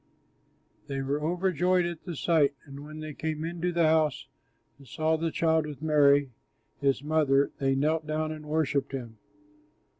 They were overjoyed at the sight; and when they came into the house and saw the child with Mary, his mother, they knelt down and worshipped him.